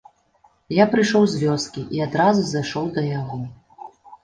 Я прыйшоў з вёскі і адразу зайшоў да яго.